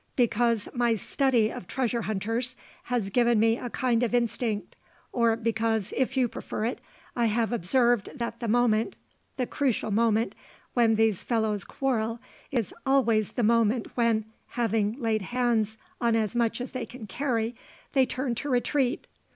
Because my study of treasure hunters has given me a kind of instinct; or because, if you prefer it, I have observed that the moment the crucial moment when these fellows quarrel is always the moment when, having laid hands on as much as they can carry, they turn to retreat.